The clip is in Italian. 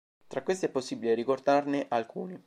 Tra questi è possibile ricordarne alcuni.